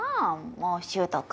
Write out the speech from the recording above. もう柊人君